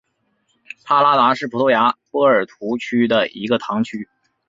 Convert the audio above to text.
帕拉达是葡萄牙波尔图区的一个堂区。